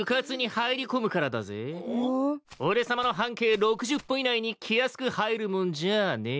俺さまの半径６０歩以内に気安く入るもんじゃねえ。